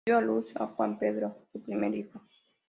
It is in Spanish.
Dio a luz a Juan Pedro, su primer hijo.